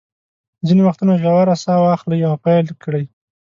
ځینې وختونه ژوره ساه واخلئ او پیل یې کړئ.